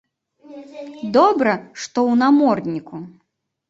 Добра, што ў намордніку.